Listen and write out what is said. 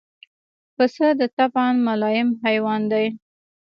پسه د طبعاً ملایم حیوان دی.